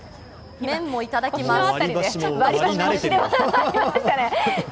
麺もいただきます。